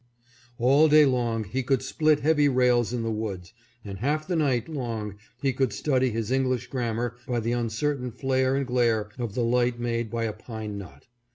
All day long he could split heavy rails in the woods, and half the night long he could study his English gram mar by the uncertain flare and glare of the light made by a pine knot.